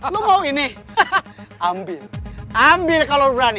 lo mau ini ambil ambil kalau berani